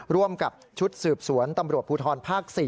ร่วมกับชุดสืบสวนตำรวจภูทรภาค๔